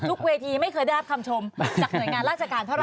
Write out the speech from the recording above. เวทีไม่เคยได้รับคำชมจากหน่วยงานราชการเท่าไ